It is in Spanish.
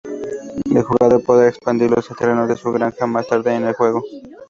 El jugador podrá expandir los terrenos de su granja más tarde en el juego.